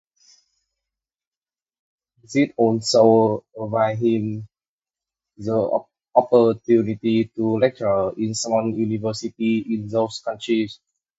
This also availed him the opportunity to lecture in some universities in those countries.